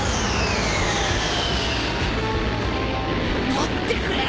持ってくれ！